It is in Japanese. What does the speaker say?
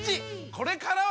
これからは！